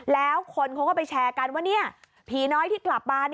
แล้วคนเขาก็ไปแชร์กันว่าผีน้อยที่กลับมา